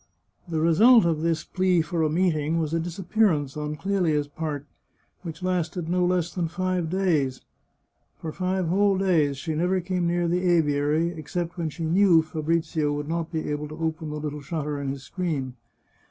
The result of this plea for a meeting was a disappear ance on CleHa's part, which lasted no less than five days. For five whole days she never came near the aviary, except when she knew Fabrizio would not be able to open the little shutter in his screen.